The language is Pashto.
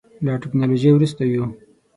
له ټکنالوژۍ وروسته یو.